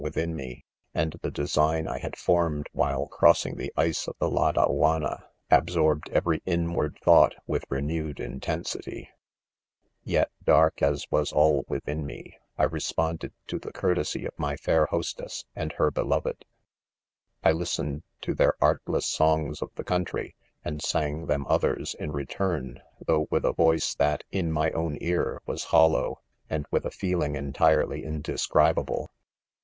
within ;Me, ;, and the design I. had. formed while crossing the ice ■■ of tl , ■sorbed every inward thought with renewed .intensity. .;* Yet, dark aff was all within me, 1 respond ' 132 rDQMEN* ed to the courtesy of my fair hostess and her beloved. I 1 listened to their artless songs of the country, and sang them others, in return, though with a voice that, in my own ear, was hollow, and with a feeling entirely indescri bable.